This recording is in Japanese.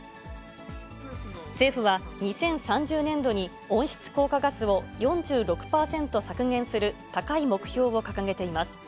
政府は、２０３０年度に、温室効果ガスを４６％削減する高い目標を掲げています。